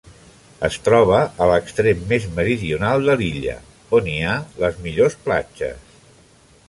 Es troba a l'extrem més meridional de l'illa, on hi ha les millors platges.